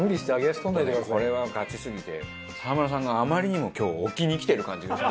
これはガチすぎて澤村さんがあまりにも今日置きにきてる感じが。